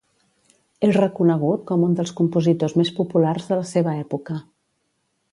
És reconegut com un dels compositors més populars de la seva època.